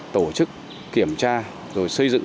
tổ chức kiểm tra rồi xây dựng